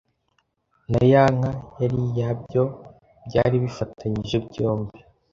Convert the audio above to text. na ya nka yari iyabyo byari bifatanyije byombi.